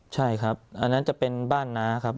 ใช่ครับอันนั้นจะเป็นบ้านน้าครับ